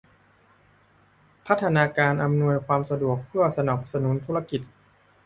พัฒนาการอำนวยความสะดวกเพื่อสนับสนุนธุรกิจ